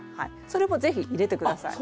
それも是非入れて下さい。